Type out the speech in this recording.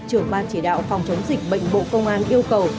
trưởng ban chỉ đạo phòng chống dịch bệnh bộ công an yêu cầu